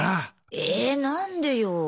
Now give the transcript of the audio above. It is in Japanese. え何でよ。